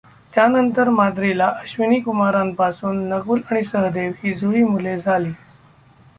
त्यानंतर माद्रीला अश्विनीकुमारांपासून नकुल आणि सहदेव ही जुळी मुले झाली.